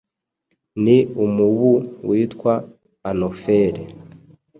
ni umubu witwa anophele